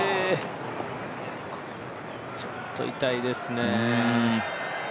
ちょっと痛いですね。